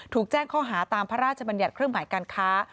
ถูกแจ้งข้อหาตามพระราชบัญญัติเครื่องหมายการค้า